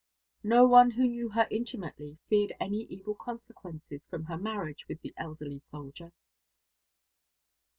No one who knew her intimately feared any evil consequences from her marriage with the elderly soldier.